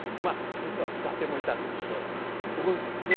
まあ実は伊達もいたんですけど。